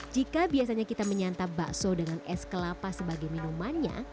jika biasanya kita menyantap bakso dengan es kelapa sebagai minumannya